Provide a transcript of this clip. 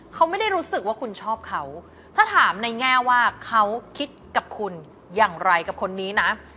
เขาไม่ได้รู้สึกว่าคุณชอบเขาถ้าถามในแง่ว่าเขาคิดกับคุณอย่างไรกับคนนี้นะ